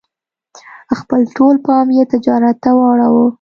خپل ټول پام یې تجارت ته واړاوه.